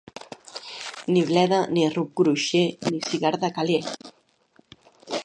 Ni bleda, ni ruc guixer, ni cigar de calé.